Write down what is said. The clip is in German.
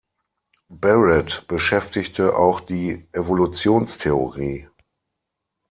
Barrett beschäftigte auch die Evolutionstheorie.